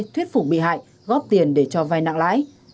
thuyết phục bị hại góp tiền để cho vai nặng lãi